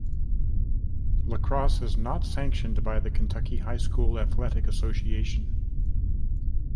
Lacrosse is not sanctioned by the Kentucky High School Athletic Association.